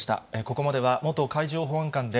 ここまでは、元海上保安監で、